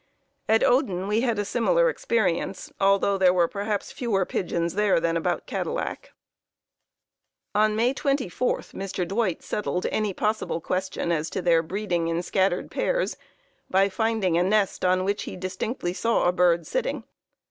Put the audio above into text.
"At Oden we had a similar experience, although there were perhaps fewer pigeons there than about Cadillac. "On May 24, Mr. Dwight settled any possible question as to their breeding in scattered pairs, by finding a nest on which he distinctly saw a bird sitting.